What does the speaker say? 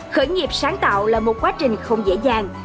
khởi nghiệp sáng tạo là một quá trình không dễ dàng